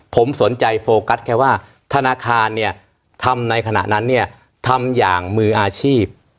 ผมสนใจโฟกัสแค่ว่าธนาคารเนี่ยทำในขณะนั้นเนี่ยทำอย่างมืออาชีพ